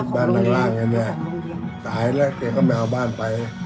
บ้านหลังอันเนี่ยตายแล้วเจ๊ก็ไม่เอาบ้านไป